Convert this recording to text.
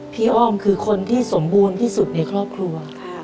อ้อมคือคนที่สมบูรณ์ที่สุดในครอบครัว